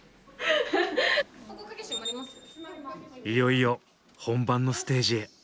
いよいよ本番のステージへ。